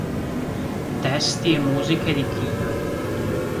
Testi e musiche di Kina.